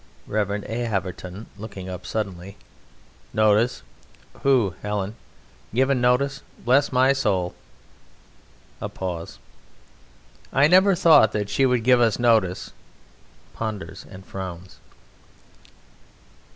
REV. A. HAVERTON (looking up suddenly). Given notice? Who? Helen? Given notice? Bless my soul! (A pause.) I never thought that she would give us notice. (_Ponders and frowns.